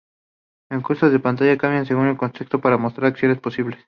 El cursor de la pantalla cambia según el contexto para mostrar acciones posibles.